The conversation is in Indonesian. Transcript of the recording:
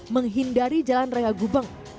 menghindari jalan raya gubeng